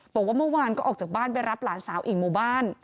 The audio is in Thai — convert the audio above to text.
บอกว่าเมื่อวานก็ออกจากบ้านไปรับหลานสาวอีกหมู่บ้าน